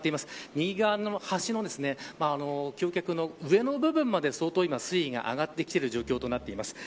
右側の橋も橋脚の上の部分まで水位が上がってきている状況です。